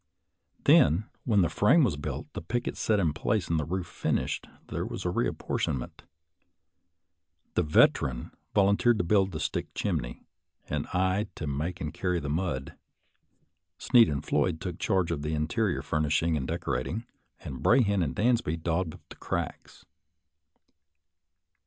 Then, when the frame was built, the pickets set in place, and the roof finished, there was a reapportionment. The Veteran vol unteered to build the stick chimney, and I to make and carry the mud (mortar) ; Sneed and Floyd took charge of the interior furnishing and decorating, and Brahan and Dansby daubed up the cracks.